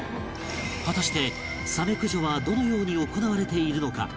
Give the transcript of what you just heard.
果たしてサメ駆除はどのように行われているのか？